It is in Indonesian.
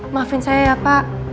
maafin saya ya pak